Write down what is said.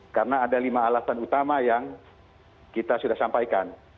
karena ada lima alasan utama yang kita sudah sampaikan